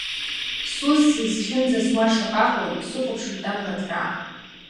Сус сызхьымӡац уа шаҟаҟои, исыхәаԥшуеит абла ҭраа.